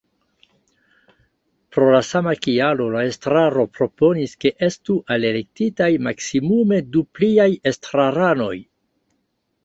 Pro la sama kialo la estraro proponis, ke estu alelektitaj maksmimume du pliaj estraranoj.